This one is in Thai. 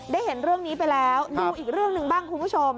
เห็นเรื่องนี้ไปแล้วดูอีกเรื่องหนึ่งบ้างคุณผู้ชม